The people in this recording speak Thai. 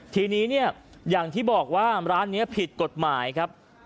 ทีนี้เนี่ยอย่างที่บอกว่าร้านนี้ผิดกฎหมายครับ